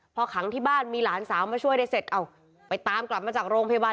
พอขังที่บ้านมีหลานสาวมาช่วยได้เสร็จเอาไปตามกลับมาจากโรงพยาบาล